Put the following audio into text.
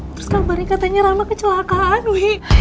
terus kabarnya katanya rama kecelakaan wih